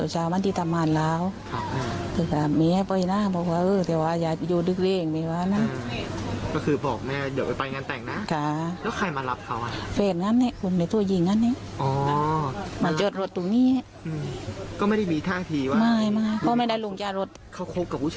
ห้ามเดือนไม่รู้